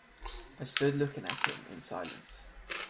I stood looking at him in silence.